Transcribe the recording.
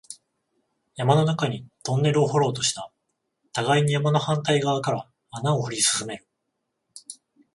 山の中にトンネルを掘ろうとした、互いに山の反対側から穴を掘り進める